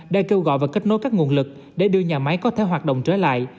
đã kêu gọi và kết nối các nguồn lực để đưa nhà máy có thể hoạt động trở lại